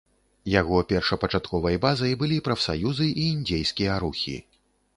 Яго першапачатковай базай былі прафсаюзы і індзейскія рухі.